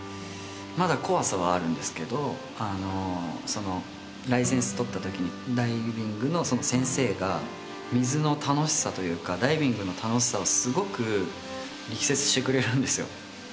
まだ怖さはあるんですけどライセンス取ったときにダイビングの先生が水の楽しさというかダイビングの楽しさをすごく力説してくれるんですよ